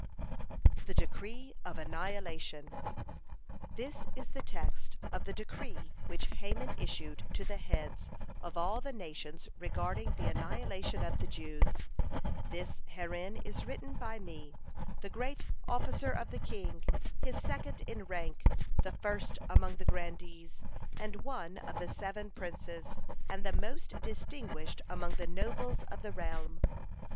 (113) THE DECREE OF ANNIHILATION This is the text of the decree which Haman issued to the heads of all the nations regarding the annihilation of the Jews: "This herein is written by me, the great officer of the king, his second in rank, the first among the grandees, and one of the seven princes, and the most distinguished among the nobles of the realm.